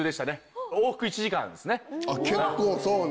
結構そうね。